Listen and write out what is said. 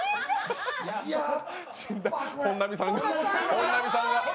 本並さんが。